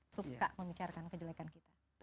suka membicarakan kejelekan kita